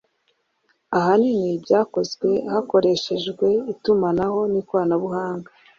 ahanini byakozwe hakoreshejwe itumanaho n’ikoranabuhanga"